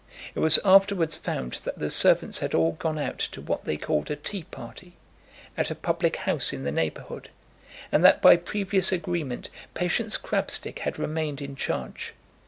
It was afterwards found that the servants had all gone out to what they called a tea party, at a public house in the neighbourhood, and that by previous agreement Patience Crabstick had remained in charge.